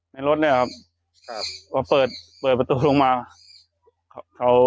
ในรถเนี่ยครับเพราะเปิดประตูลงมา